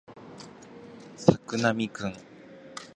作並くん